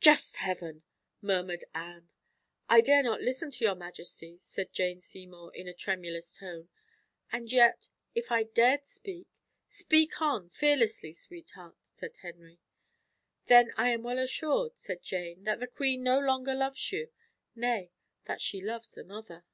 "Just Heaven!" murmured Anne. "I dare not listen to your majesty," said Jane Seymour, in a tremulous tone; "and yet, if I dared speak " "Speak on, fearlessly, sweetheart," said Henry. "Then I am well assured," said Jane, "that the queen no longer loves you; nay, that she loves another."